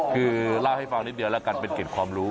คือเล่าให้ฟังนิดเดียวแล้วกันเป็นเกร็ดความรู้